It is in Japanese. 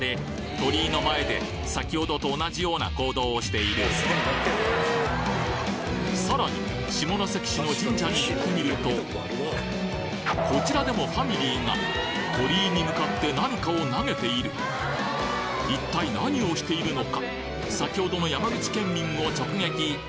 鳥居の前で先程と同じような行動をしているさらに下関市の神社に行ってみるとこちらでもファミリーが鳥居に向かって何かを投げている一体何をしているのか？